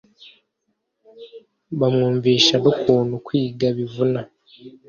bamwumvisha n’ukuntu kwiga bivuna.